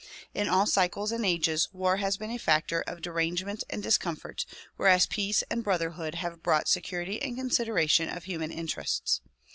In all cycles and ages war has been a factor of derange ment and discomfort whereas peace and brotherhood have brought security and consideration of human interests.